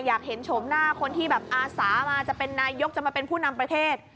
อยากเห็นโฉมหน้าคนที่อาสามานายยกภูนำประเทศ